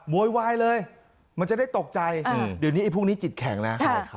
มวยวายเลยมันจะได้ตกใจอืมเดี๋ยวนี้ไอ้พวกนี้จิตแข็งนะครับครับ